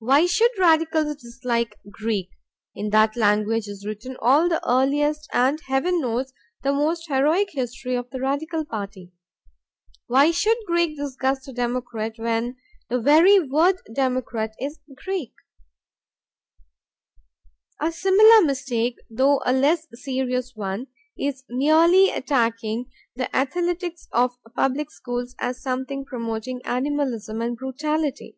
Why should Radicals dislike Greek? In that language is written all the earliest and, Heaven knows, the most heroic history of the Radical party. Why should Greek disgust a democrat, when the very word democrat is Greek? A similar mistake, though a less serious one, is merely attacking the athletics of public schools as something promoting animalism and brutality.